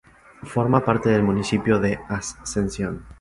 Forma parte del municipio de Ascensión.